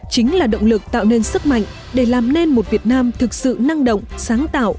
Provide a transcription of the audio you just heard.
chính là động lực tạo nên sức mạnh để làm nên một việt nam thực sự năng động sáng tạo